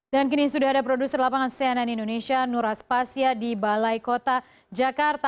dan kini sudah ada produser lapangan sesan indonesia nur aspasya di balai kota jakarta